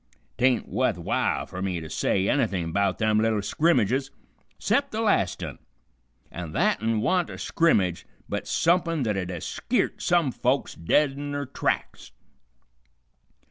'Tain't wuth w'ile fer me to say anything 'bout them little skrimmages 'cept the last un, an' that un wa'n't a skrimmage but sumpin' that'd 'a' skeert some folks dead in their tracks.